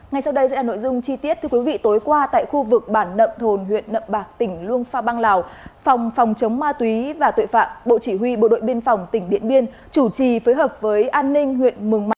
hãy đăng ký kênh để ủng hộ kênh của chúng mình nhé